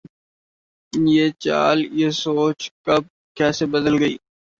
یہ چال، یہ سوچ کب‘ کیسے بدلے گی؟